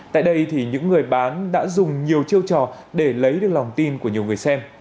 tại đây thì những người bán đã dùng nhiều chiêu trò để lấy được lòng tin của nhiều người xem